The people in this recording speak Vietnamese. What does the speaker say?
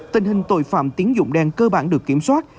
tình hình tội phạm tín dụng đen cơ bản được kiểm soát